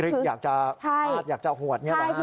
ริกอยากจะอาวาสอยากจะหวดนี่หรือคะคือใช่